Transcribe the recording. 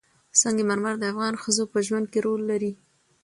سنگ مرمر د افغان ښځو په ژوند کې رول لري.